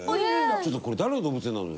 ちょっとこれ誰の動物園なのよ。